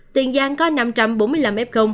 tiền giang có năm trăm bốn mươi năm f